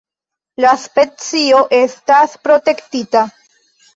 La specio estas protektita.